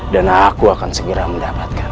aku akan segera mendapatkan